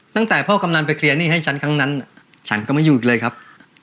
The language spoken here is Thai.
ตั้งแต่พ่อกำนันไปเคลียร์หนี้ให้ฉันครั้งนั้นฉันก็ไม่อยู่อีกเลยครับ